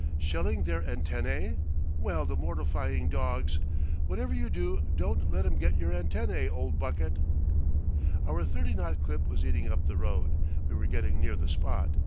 "Shelling their attenay? Well, the mortifying dogs! Whatever you do, don't let 'em get your attenay, old bucket." Our thirty knot clip was eating up the road. We were getting near the spot.